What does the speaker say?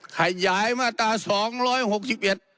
ขยายมาตราสองร้อยหกสิบเอ็ด